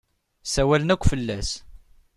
Ssawalen akk fell-as.